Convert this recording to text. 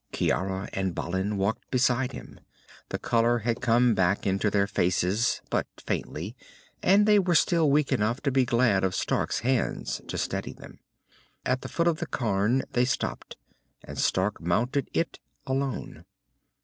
Ciara and Balin walked beside him. The color had come back into their faces, but faintly, and they were still weak enough to be glad of Stark's hands to steady them. At the foot of the cairn they stopped, and Stark mounted it alone.